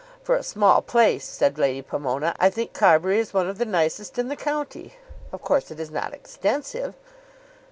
"For a small place," said Lady Pomona, "I think Carbury is one of the nicest in the county. Of course it is not extensive."